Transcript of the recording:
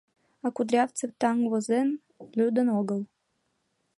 А Кудрявцев таҥ возен, лӱдын огыл...